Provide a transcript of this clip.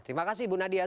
terima kasih bu nadia